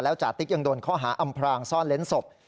จาติ๊กยังโดนข้อหาอำพรางซ่อนเล้นศพ